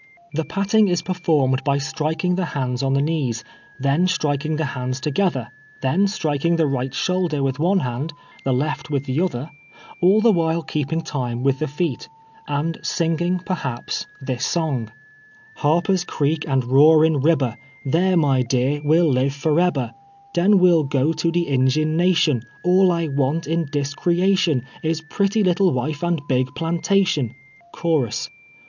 Tlie patting is i^erformed by striking the hands on the knees, then striking the hands to gether, then striking the right shoulder with one hand, the left with the other — all the while keeping time with the feet, and singing, perhaps, this song :" Harper's creek and roarin' riljber, Tliar, my dear, we'll live forebber ; Deu we'll go to de Ingin nation, All I want in dis creation, Is pretty little wife and big plantation. Chorus.